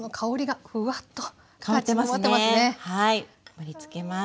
盛りつけます。